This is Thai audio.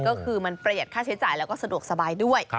ก็คือมันประหยัดค่าใช้จ่ายแล้วก็สะดวกสบายด้วย